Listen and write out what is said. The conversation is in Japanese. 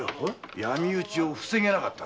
闇討ちを防げなかったんだ。